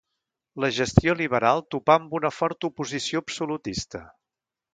La gestió liberal topà amb una forta oposició absolutista.